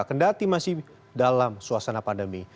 kendati masih dalam suasana pandemi